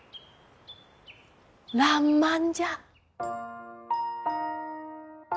らんまんじゃ。